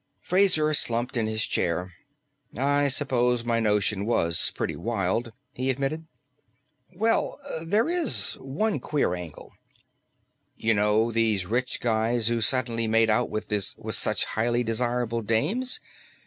Fraser slumped in his chair. "I suppose my notion was pretty wild," he admitted. "Well, there is one queer angle. You know these rich guys who've suddenly made out with such highly desirable dames?